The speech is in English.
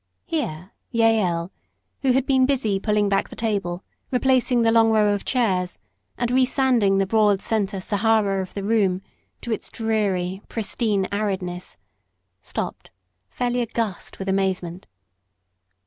Here Jael, who had been busy pulling back the table, replacing the long row of chairs, and re sanding the broad centre Sahara of the room to its dreary, pristine aridness, stopped, fairly aghast with amazement.